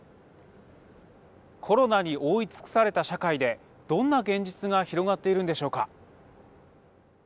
コロナに覆い尽くされた社会でどんな現実が広がっているんでしょうか。